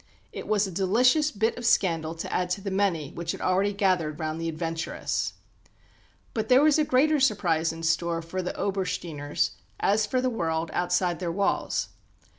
It was a delicious bit of scandal to add to the many which had already gathered round the "adventuress." But there was a greater surprise in store for the Obersteiners, as for the world outside their walls.